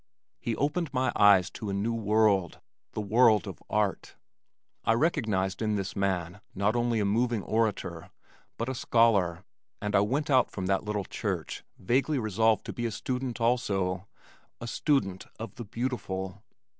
He opened my eyes to a new world, the world of art. I recognized in this man not only a moving orator but a scholar and I went out from that little church vaguely resolved to be a student also, a student of the beautiful.